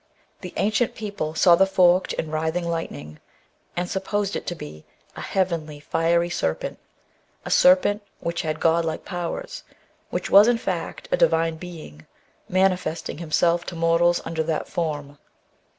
The ancient people saw the forked and writhing lightning, and supposed it to be a heavenly fiery serpent, a serpent which had god like powers, which was in fact a divine being, manifesting himself to mortals under that form.